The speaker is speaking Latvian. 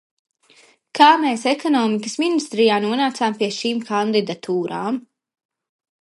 Kā mēs Ekonomikas ministrijā nonācām pie šīm kandidatūrām?